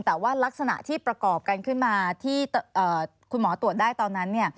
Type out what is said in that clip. แต่ว่ารักษณะที่ประกอบกันขึ้นมาที่คุณหมอตรวจได้ตอนนั้นเนี่ย